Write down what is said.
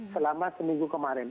selama seminggu kemarin